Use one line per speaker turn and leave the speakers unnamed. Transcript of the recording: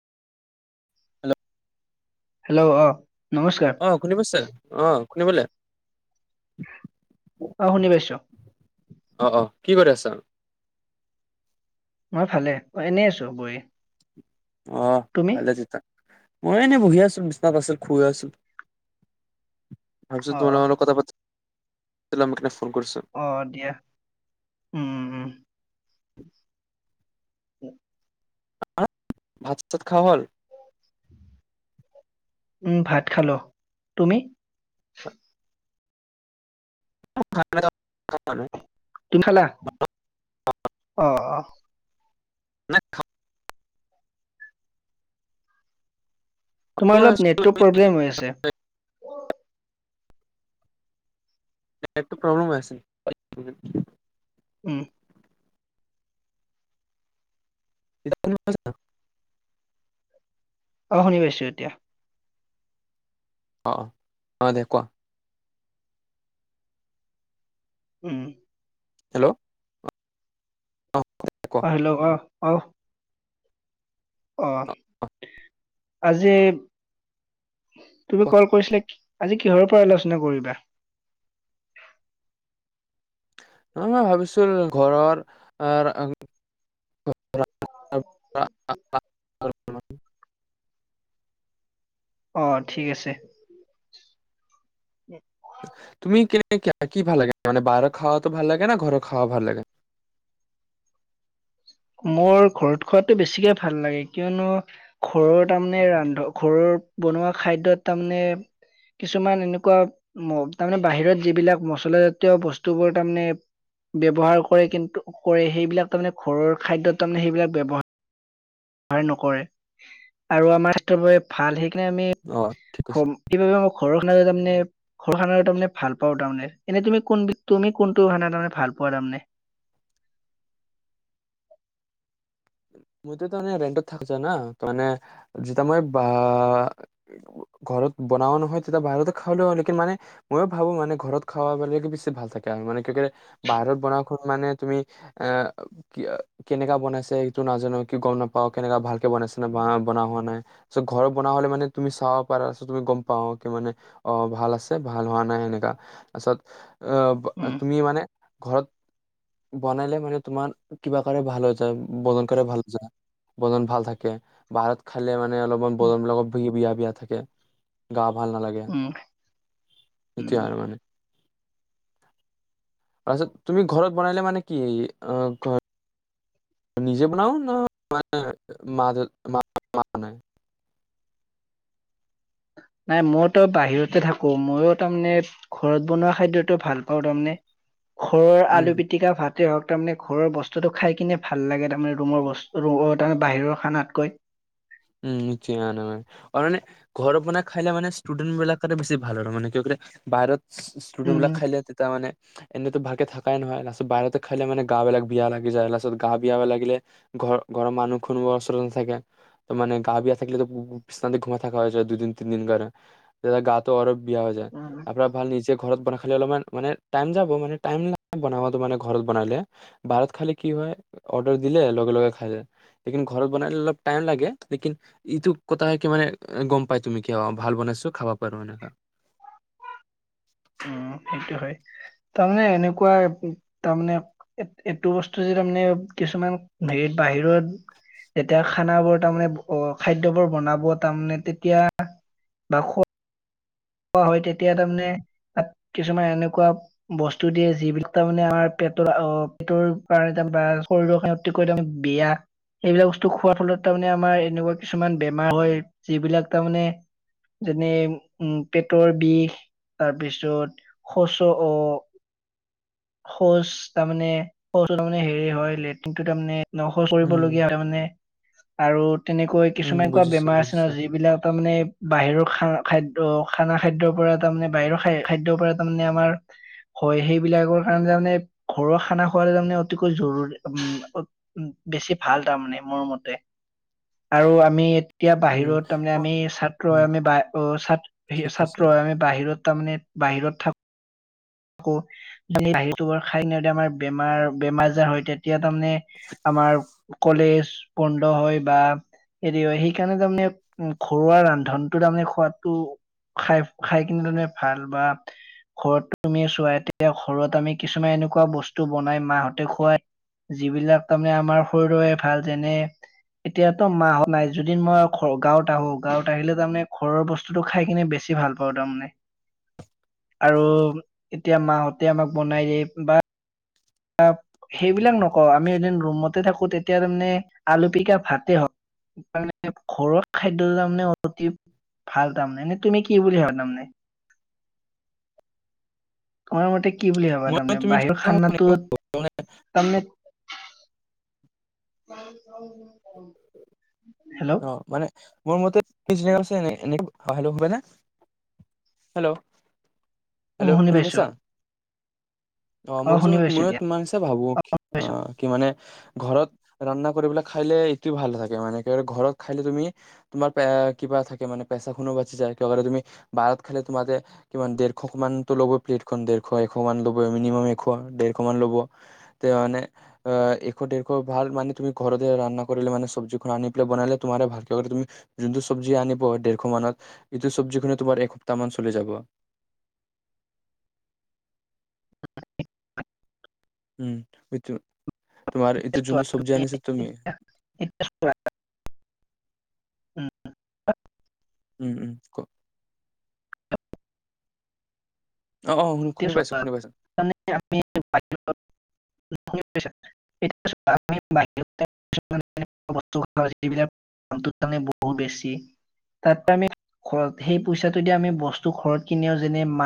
Hello
hello, অঁ।
অ', শুনি পাইছা, অঁ। শুনি পালে?
অ', শুনি পাইছো।
অ', অ', কি কৰি আছ'?
মই ভালে। অ', এনেই আছো বহি।
অ',
তুমি
ভালে তেতিয়া। মইও এনেই বহি আছো, বিছনাত আছিলো, শুই আছো। তাৰপিছত
অ
তোমাৰ লগত অলপ
অ
কথা পাতি [unintelligible]
অ', দিয়া। উম, উম, উম। [inaudible]
[unintelligible] ভাত চাত খোৱা হ'ল?
উম, ভাত খালোঁ। তুমি?
[inaudible]
তুমি খালা? অঁ, অঁ।
নাই [inaudible]
তোমাৰ অলপ নেটতো প্ৰব্লেম হৈ আছে।
[unintelligible] নেটতো প্ৰব্লেম হৈ আছে [unintelligible]
উম।
[inaudible]
অ', শুনি পাইছোঁ এতিয়া।
অ', অহ, দে কোৱা।
উম।
হেল্ল' অ কোৱা কোৱা
অ হেল্ল' ক' অহ অহ আজি, তুমি ক'ল কৰিছিলা, আজি কিহৰ ওপৰত আলোচনা কৰিবা?
নহয় মই ভাবিছো ঘৰৰ আহ [unintelligible] আলোচনা
অ ঠিক আছে। উম
তুমি কেনে কি ভাল লাগে মানে বাহিৰৰ খাৱাটো ভাল লাগে নে? ঘৰৰ খাৱা ভাল লাগে?
মোৰ ঘৰত খোৱটো বেছিকে ভাল লাগে কিয়নো ঘৰৰ তাৰমানে ৰান্ধ ঘৰৰ বনোৱা খাদ্যত তাৰমানে কিছুমান এনেকুৱা ম' তাৰমানে বাহিৰত যিবিলাক মচলা জাতীয় বস্তুবোৰ তাৰমানে ব্যৱহাৰ কৰে কিন্তু কৰে সেইবিলাক তাৰমানে ঘৰৰ খাদ্যত তাৰমানে সেইবিলাক ব্যৱহাৰ- ৰ নকৰে আৰু আমাৰ স্বাস্থ্যৰ বাবে ভাল সেই
অ ঠিক কৈছা
[unintelligible] [inaudible] ঘৰ খানা তাৰমানে ভাল পাওঁ তাৰমানে এনে তুমি কোন বি তুমি কোনটো খানা তাৰমানে ভাল পোৱা তাৰমানে?
মইতো তাৰমানে ৰেন্টত থাকিছো না মানে যেতিয়া মই বা- ঘৰত বনাও নহয় তেতিয়া বাহিৰতে খাই লওঁ লেকিন মানে ময়ো ভাবো মানে ঘৰত খাব পাৰিলে বেছি ভাল থাকে আৰু মানে কিয়ুকি বাহৰত বনা মানে তুমি এ কি কেনেকা বনাইছে- টো নাজানো কি গম নাপাও কেনেকা ভাল- বনাইছে না বনোৱা হোৱা নাই- চ 'ঘৰত বনোৱা হলে মানে তুমি চাব পাৰা তুমি গম পাওঁ কি মানে অ ভাল আছে ভাল হোৱা নাই এনেকা তাৰপিছত অ ব
উম
তুমি মানে- ঘৰত বনাইলে মানে তোমাৰ কিবা কা'ৰ ভাল হৈ যায় [unintelligible] [inaudible] বদন ভাল থাকে বাহৰত খালে মানে- মানে অলপমান [unintelligible] বিয়া থাকে গা- ভাল নালাগে,
উম
এতিয়া
উম
আৰু মানে- তাৰছত তুমি ঘৰত বনাইলে মানে কি [unintelligible] নিজে বনাও ন [unintelligible]
নাই মইতো বাহিৰতে থাকো মইও তাৰমানে ঘৰত বনোৱা খাদ্যটো ভাল পাওঁ তাৰমানে। ঘৰৰ
উম
আলু পিটিকা ভাত। হওক তাৰমানে ঘৰৰ বস্তুটো খাই কিনে ভাল লাগে তাৰমানে ৰুমৰ বচ অ তাৰমানে বাহিৰৰ খানাতকৈ।
উম নিশ্চয় [unintelligible] আৰু মানে ঘৰত বনাই খাইলে মানে ষ্টুডেণ্ট বিলাক- বেছি ভাল আৰু মানে কিয় কি বাহৰত- ষ্টো-ষ্টুডেণ্ট
উম
বিলাক খাইলে তেতিয়া মানে- এনেইতো ভালকে থাকাই নহয় লাষ্টত বাহিৰতে খাইলে মানে গা বিলাক বিয়া লাগি যায়। লাষ্টত গা বিয়া লাগিলে ঘৰ-ঘৰৰ মানুহ কোনো ওচৰত নাথাকে। মানে গা বিয়া থাকিলে [unintelligible] বিছনাতে ঘুমাই থাকা হৈ যায় দুদিন তিনিদিন কাৰণে গাটো আৰু- বিয়া হৈ যায়
উম
আপোনাৰ ভাল নিজে ঘৰত বনাই খালে অলপমান মানে টাইম যাব মানে টাইম নাই বনাওঁতে মানে ঘৰত বনালে বাহৰত খালে কি হয় অৰ্ডাৰ দিলে লগে লগে খালে, লেকিন ঘৰত বনালে অলপ টাইম লাগে। লেকিন ইটো কথা একেবাৰে গম পায় তুমি কি অ ভাল বনাইছো খাবা পাৰো এনেকা
উম, সেইটো হয় তাৰমানে এনেকুৱা তাৰমানে এইটো বস্তু যে তাৰমানে কিছুমান হেৰিত বাহিৰত যেতিয়া খানা বোৰ তাৰমানে খাদ্যবোৰ বনাব তাৰমানমানে তেতিয়া বা স খোৱা হয় তেতিয়া তাৰমানে তাত কিছুমান এনেকুৱা বস্তু দিয়ে যিবিলাক তাৰমানে আমাৰ পেটৰ অহ, পেটৰ কাৰণে তাৰ বা শৰীৰৰে অতিকৈ তাৰ বিয়া সেইবিলাক বস্তু খোৱাৰ ফলত তাৰমানে আমাৰ এনেকুৱা কিছুমান বেমাৰ হয় যিবিলাক তাৰমানে যেনে উ পেটৰ বিষ তাৰপিছত শৌচৰ অ' শৌচ তাৰমানে শৌচৰ মানে হেৰি হয় লেট্ৰিন টো তাৰমানে শৌচ
উম
কৰিবলগীয়া মানে আৰু তেনেকৈ
উম
কিছুমান এনেকুৱা
বুজিছো
বেমাৰ আছে ন
বুজিছো
যিবিলাক তাৰ মানে বাহিৰৰ খানা খাদ্য, খানা খাদ্যৰ পৰা তাৰমানে বাহিৰৰ খাদ্যৰ পৰা তাৰমানে আমাৰ হয় সেইবিলাকৰ কাৰণ তাৰ মানে ঘৰুৱা খানা খোৱা তাৰমানে অতিকৈ জৰুৰী উ বেছি ভাল তাৰমানে মোৰ মতে আৰু আমি এতিয়া
উম
বাহিৰত তাৰমানে
মই
আমি ছাত্ৰ
উম
আমি
ঠিক
ছাত্ৰ
আছে
হয় আমি বাহিৰত তাৰমানে বাহিৰত থাক ও [unintelligible] আমাৰ বেমাৰ বেমাৰ আজাৰ হয় তে এতিয়া তাৰমানে আমাৰ কলেজ বন্ধ হয় বা হেৰি হয় সেইকাৰণে তাৰমানে ঘৰুৱা ৰান্ধনটো তাৰমানে খোৱাদটো খাই খাই কিনে তাৰমানে ভাল বা ঘৰত তুমি চোৱা এতিয়া ঘৰত আমি কিছুমান এনেকুৱা বস্তু বনাই মাহ'তে খুৱাই যিবিলাক তাৰমানে আমাৰ শৰীৰৰে ভাল যেনে এতিয়াতো মাহত নাই যদি মই গাঁৱত আহো গাঁৱত আহিলে তাৰমানে ঘৰৰ বস্তুটো খাই কিনে বেছি ভাল পাওঁ তাৰমানে আৰু এতিয়া মাহ'ত তে আমাক বনাই দিয়ে বা অহ, সেইবিলাক নকওঁ আমি এদিন ৰুমতে থাকো তেতিয়া তাৰমানে আলু পিতিকা ভাতে হওঁক ঘৰুৱা খাদ্য তাৰমানে অতি ভাল তাৰমানে, এনে তুমি কি বুলি ভাবা তাৰমানে? মোৰ মতে কি বুলি ভাবা
মই
তাৰমানে,
তুমি
বাহিৰৰ খানটোত তাৰমানে [inaudible] হেল্ল'
অ' মানে মোৰ মতে [unintelligible] হেল্ল' হেল্ল'
উ
হেল্ল', শুনি
পাইছো
পাইছা? অ' মই কৈছোঁ,
শুনি পাইছো
মই
দিয়া
তোমাৰ নিচিনা ভাবো
শুনি পাইছো
অ' কি মানে। ঘৰত ৰান্ধা কৰি পেলাই খালে, ইটোও ভাল লাগে মানে ঘৰত খালে তুমি, তোমাৰ কিবা থাকে মানে পেচাখনো বাচি যায়। তুমি বাহিৰত খালে তোমাৰে কি দেৰশ মানতো ল'ব প্লেটখন দেৰশ জএশ মান লব মিনি মাম এশ, দেৰশ মান ল'ব তে মানে এশ দেৰশ ভাল মানে তুমি ঘৰতে ৰান্ধা কৰিলে মানে চব্জিখন আনি বনালে তোমাৰ ভাল লগত তুমি যোনটো চব্জি আনিব, দেৰশ মানত সেইটো চব্জি তোমাৰ এসপ্তাহ মান চলি যাব। উম, সিইটো তোমাৰ ইটো
এতিয়া চোৱা,
যোনটো চব্জি আনিছে তুমি।
এতিয়া চোৱা, উম।
উম, উম কও অ', অ', শুনি শুনি পাইছোঁ, শুনি পাইছোঁ।
আমি [inaudible]